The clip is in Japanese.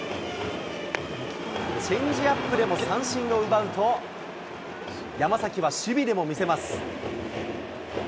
チェンジアップでも三振を奪うと、山崎は守備でも見せます。